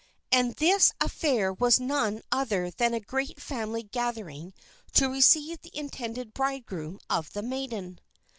And this affair was none other than a great family gathering to receive the intended bridegroom of the maiden.